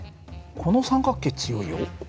この三角形強いよ。